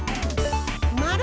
まる！